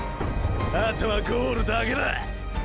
あとはゴールだけだ！！